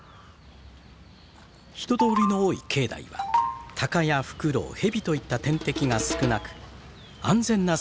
人通りの多い境内はタカやフクロウヘビといった天敵が少なく安全な住みか。